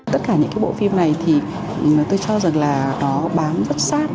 tất cả những cái bộ phim này thì tôi cho rằng là nó bám rất sát